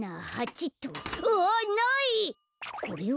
これは？